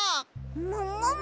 ももも！？